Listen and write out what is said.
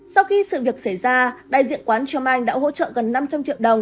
sau khi sự việc xảy ra đại diện quán trum anh đã hỗ trợ gần năm trăm linh triệu đồng